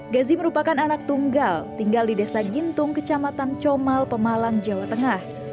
gazi merupakan anak tunggal tinggal di desa gintung kecamatan comal pemalang jawa tengah